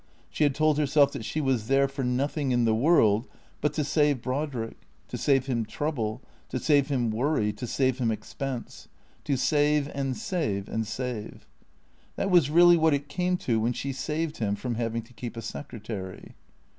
She had told her self that she was there for nothing in the world but to save Brod rick, to save him trouble, to save him worry, to save him expense ; to save and save and save. That was really what it came to when she saved him from having to keep a secretary.